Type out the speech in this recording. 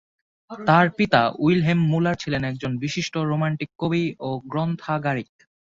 তার পিতা Wilhelm Muller ছিলেন একজন বিশিষ্ট রোমান্টিক কবি ও গ্রন্থাগারিক।